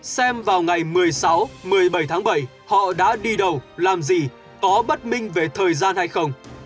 xem vào ngày một mươi sáu một mươi bảy tháng bảy họ đã đi đầu làm gì có bất minh về thời gian hay không